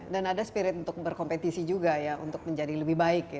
dan ada spirit untuk berkompetisi juga ya untuk menjadi lebih baik